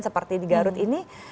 seperti di garut ini